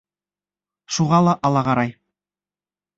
Шуға ла Алағарай.